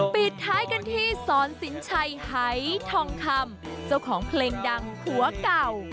ปิดท้ายกันที่สอนสินชัยหายทองคำเจ้าของเพลงดังผัวเก่า